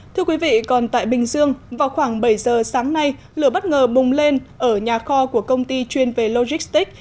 thưa quý vị còn tại bình dương vào khoảng bảy giờ sáng nay lửa bất ngờ bùng lên ở nhà kho của công ty chuyên về logistics